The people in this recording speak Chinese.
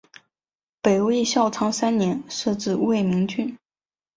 北魏孝昌三年设置魏明郡。